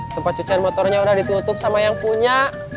tempat cucian motornya udah ditutup sama yang punya